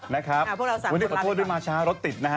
วันนี้ขอโทษด้วยมาช้ารถติดนะฮะ